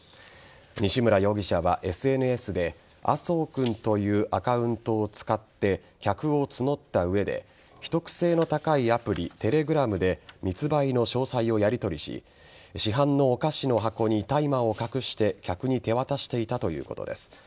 西村容疑者は、ＳＮＳで麻生くんというアカウントを使って客を募った上で秘匿性の高いアプリテレグラムで密売の詳細をやりとりし市販のお菓子の箱に大麻を隠して客に手渡していたということです。